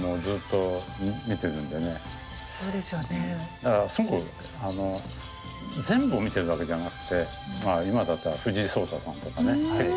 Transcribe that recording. だからすごくあの全部を見てるわけじゃなくてまあ今だったら藤井聡太さんとかね結構。